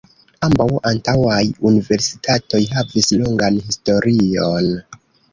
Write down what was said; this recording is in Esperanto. Ambaŭ antaŭaj universitatoj havis longan historion.